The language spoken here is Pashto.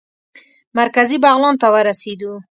مرکزي بغلان ته ورسېدو.